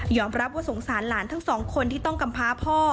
รับว่าสงสารหลานทั้งสองคนที่ต้องกำพาพ่อ